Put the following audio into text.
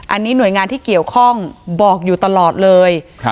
อันนี้หน่วยงานที่เกี่ยวข้องบอกอยู่ตลอดเลย